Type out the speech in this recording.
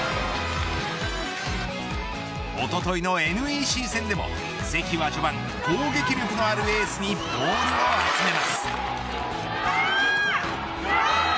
おとといのＮＥＣ戦でも関は序盤、攻撃力のあるエースにボールを集めます。